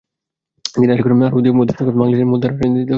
তিনি আশা করেন, আরও অধিক সংখ্যায় বাংলাদেশিরা মূলধারার রাজনীতিতে অংশ নেবেন।